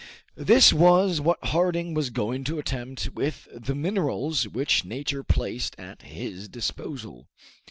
This was what Harding was going to attempt with the minerals which nature placed at his disposal.